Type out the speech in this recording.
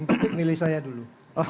bung topik milih saya dulu